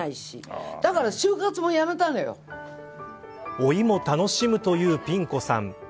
老いも楽しむというピン子さん。